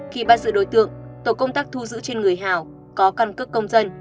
khi bắt giữ đối tượng tổ công tác thu giữ trên người hào có căn cước công dân